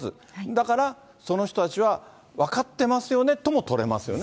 だから、その人たちは分かってますよねとも取れますよね。